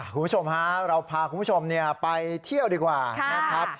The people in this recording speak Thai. คุณผู้ชมฮะเราพาคุณผู้ชมไปเที่ยวดีกว่านะครับ